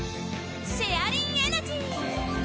シェアリンエナジー！